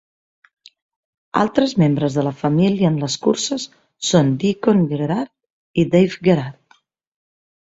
Altres membres de la família en les curses són Deacon Gerhart i Dave Gerhart.